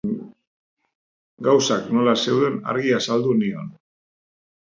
Gauzak nola zeuden argi azaldu nion.